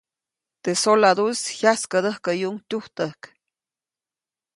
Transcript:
Teʼ soladuʼis jyaskädäjkäyuʼuŋ tujtäjk.